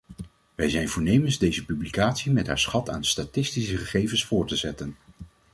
Wij zijn voornemens deze publicatie met haar schat aan statistische gegevens voort te zetten.